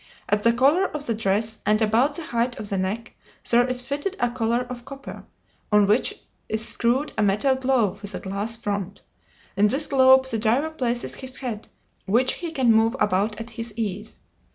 At the collar of the dress, and about the height of the neck, there is fitted a collar of copper, on which is screwed a metal globe with a glass front. In this globe the diver places his head, which he can move about at his ease.